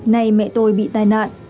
nay mẹ tôi bị tai nạn